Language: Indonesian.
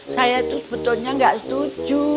saya tuh sebetulnya gak setuju